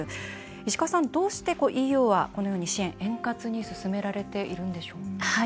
石川さん、どうしてＥＵはこのように支援を円滑に進められているんでしょうか。